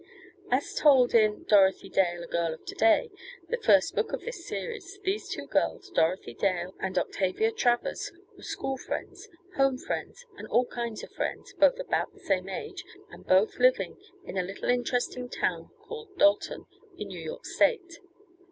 As told in "Dorothy Dale: A Girl of To Day," the first book of this series, these two girls, Dorothy Dale and Octavia Travers, were school friends, home friends and all kinds of friends, both about the same age, and both living in a little interesting town called Dalton, in New York state.